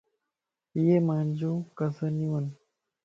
ايي مانجو ڪزنيون ون